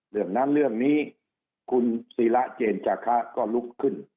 เรื่องนั้นเรื่องนี้คุณศิระเจนจาคะก็ลุกขึ้น